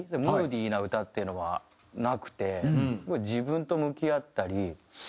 ムーディーな歌っていうのはなくて自分と向き合ったり。